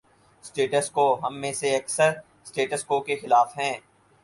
’Status quo‘ ہم میں سے اکثر 'سٹیٹس کو‘ کے خلاف ہیں۔